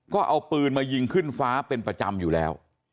ก็เอาปืนมายิงขึ้นฟ้าเป็นประจำอยู่แล้ว